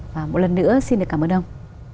và một lần nữa xin được cảm ơn ông